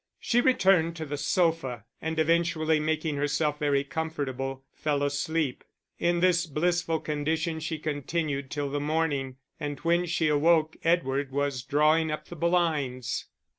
She returned to the sofa, and eventually making herself very comfortable, fell asleep. In this blissful condition she continued till the morning, and when she awoke Edward was drawing up the blinds.